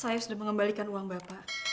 saya sudah mengembalikan uang bapak